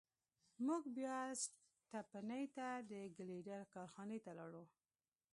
موږ بیا سټپني ته د ګیلډر کارخانې ته لاړو.